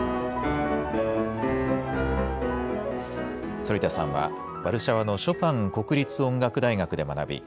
反田さんはワルシャワのショパン国立音楽大学で学び